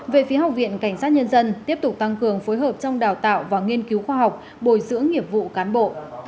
về phía học viện cảnh sát nhân dân tiếp tục tăng cường phối hợp trong đào tạo và nghiên cứu khoa học bồi dưỡng nghiệp vụ cán bộ